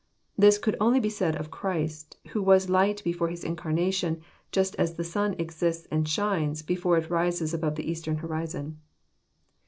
This could only be said of Christ, who was light before His incarnation, Just as the sun exists and fthines before k rises above the eastern horizon.